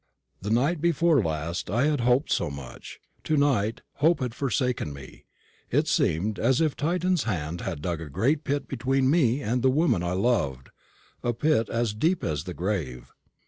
The night before last I had hoped so much; to night hope had forsaken me. It seemed as if a Titan's hand had dug a great pit between me and the woman I loved a pit as deep as the grave.